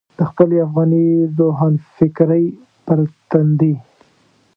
د خپلې افغاني روښانفکرۍ پر تندي.